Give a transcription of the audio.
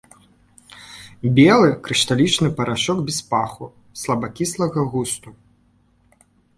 Белы крышталічны парашок без паху, слабакіслага густу.